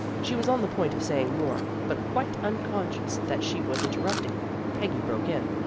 She was on the point of saying more, but quite unconscious that she was interrupting, Peggy broke in.